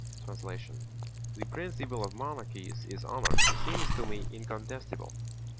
"The principle of monarchies is honor seems to me incontestable.